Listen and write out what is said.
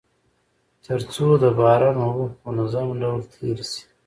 تر څو د باران اوبه په منظم ډول تيري سي.